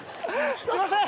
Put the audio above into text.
すいません！